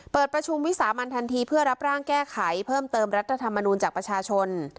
เปิดประชุมวิสามันทันทีเพื่อรับร่างแก้ไขเพิ่มเติมรัฐธรรมนูลจากประชาชน